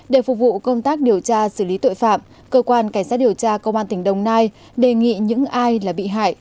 để phục vụ công tác điều tra xử lý tội phạm cơ quan cảnh sát điều tra công an tỉnh đồng nai đề nghị những ai là bị hại